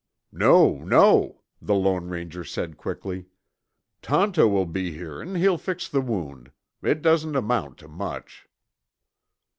"No, no," the Lone Ranger said quickly. "Tonto will be here and he'll fix the wound. It doesn't amount to much."